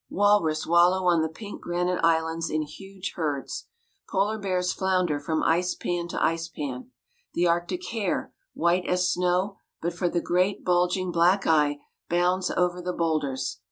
Walrus wallow on the pink granite islands in huge herds. Polar bears flounder from icepan to icepan. The arctic hare, white as snow but for the great bulging black eye, bounds over the boulders.